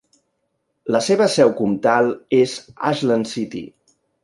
La seva seu comtal és Ashland City.